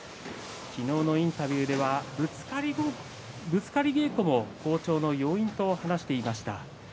昨日のインタビューではぶつかり稽古も好調の要因と話していました。